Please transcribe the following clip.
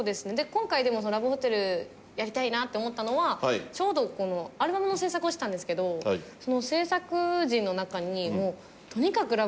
今回でもラブホテルやりたいなって思ったのはちょうどアルバムの制作をしてたんですけどその制作陣の中にとにかくラブホテルが大好きな人がいて。